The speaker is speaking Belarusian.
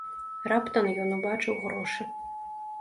Раптам ён убачыў грошы.